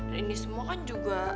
dan ini semua kan juga